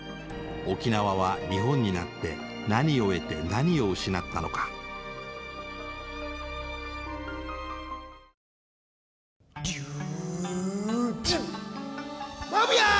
沖縄は日本になって何を得て何を失ったのか琉神マブヤー！